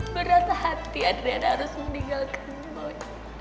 berat hati adriana harus meninggalkan boy